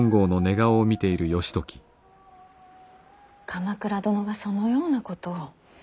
鎌倉殿がそのようなことを。